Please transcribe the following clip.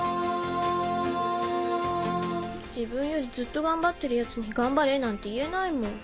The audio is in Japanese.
自分よりずっと頑張ってる奴に頑張れなんて言えないもん。